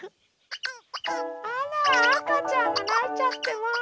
あらあかちゃんがないちゃってまあ。